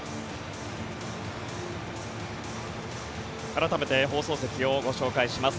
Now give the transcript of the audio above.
改めて放送席をご紹介します。